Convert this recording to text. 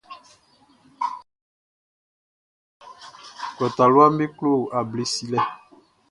Klɔ taluaʼm be klo able silɛ.